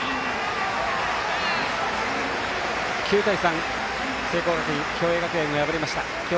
９対３、聖光学院が共栄学園を破りました。